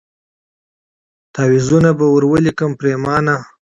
تعویذونه به ور ولیکم پرېمانه